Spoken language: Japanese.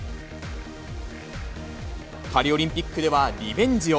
パリオリンピックではリベンジを。